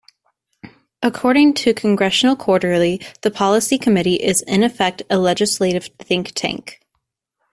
According to "Congressional Quarterly", "the Policy Committee is in effect a legislative think tank.